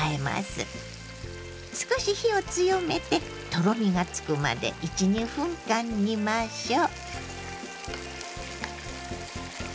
少し火を強めてとろみがつくまで１２分間煮ましょう。